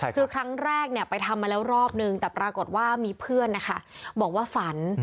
คือครั้งแรกไปทำมาแล้วรอบนึงแต่ปรากฏว่ามีเพื่อนนะคะบอกว่าฝัน